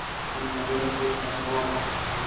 انحضرت ورته ځواب واستوه.